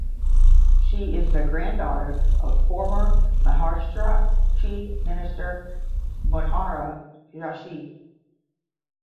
She is the granddaughter of former Maharashtra Chief Minister Manohar Joshi.